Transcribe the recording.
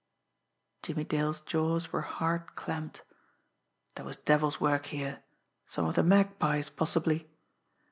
Jimmie Dale's jaws were hard clamped. There was devil's work here some of the Magpie's, possibly.